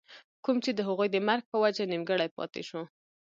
کوم چې َد هغوي د مرګ پۀ وجه نيمګري پاتې شو